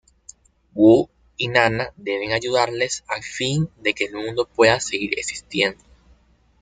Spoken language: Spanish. Wu y Nana deben ayudarles a fin de que el mundo puede seguir existiendo.